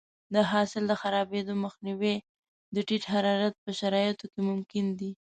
د حاصل د خرابېدو مخنیوی د ټیټ حرارت په شرایطو کې ممکن دی.